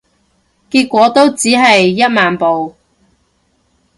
結果都只係一萬步